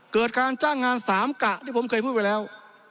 เกิดการจ้างงานสามกะที่ผมเคยพูดไปแล้ว